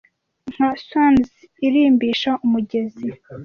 Nka swans irimbisha umugezi.